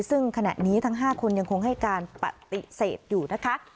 ซึ่งขณะนี้ทั้ง๕คนยังคงให้การปฏิเสธอยู่นะคะ